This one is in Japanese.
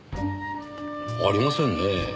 ありませんねえ。